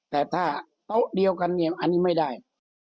แต่ถ้าโต๊ะเดียวกันเนี่ยอันนี้ไม่ได้